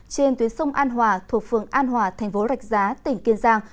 trên tuyến sông an hòa thuộc phường an hòa thành phố rạch giá tỉnh kiên giang